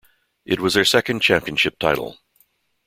It was their second championship title.